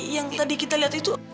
yang tadi kita lihat itu